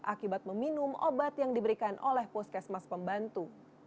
akibat meminum obat yang diberikan oleh puskesmas pembantu